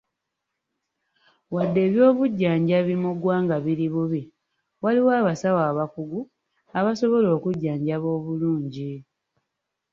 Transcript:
Wadde eby'obujjanjabi mu ggwanga biri bubi, waliwo abasawo abakugu abasobola okujjanjaba obulungi.